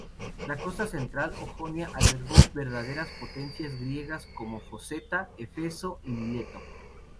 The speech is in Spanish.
La costa central o Jonia albergó verdaderas potencias griegas como Focea, Éfeso y Mileto.